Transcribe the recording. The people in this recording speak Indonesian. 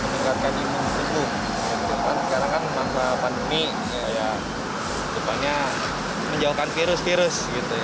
meningkatkan imun tubuh karena kan masa pandemi depannya menjauhkan virus virus